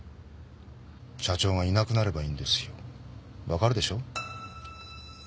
社長がいなくなればいいんですよ。わかるでしょう？